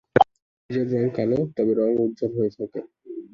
বীজের রং কালো তবে রং উজ্জ্বল হয়ে থাকে।